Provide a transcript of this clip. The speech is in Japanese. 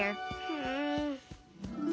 うん。